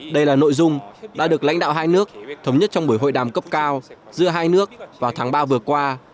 đây là nội dung đã được lãnh đạo hai nước thống nhất trong buổi hội đàm cấp cao giữa hai nước vào tháng ba vừa qua